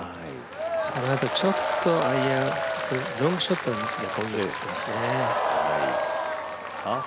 そのあと、アイアン、ロングショットなんですが。